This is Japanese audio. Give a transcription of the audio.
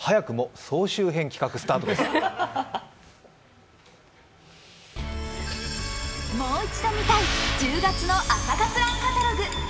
もう一度みたい、１０月の「朝活ＲＵＮ」カタログ。